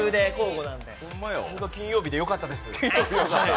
金曜日でよかったです。